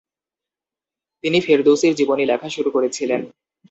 তিনি ফেরদৌসীর জীবনী লেখা শুরু করেছিলেন।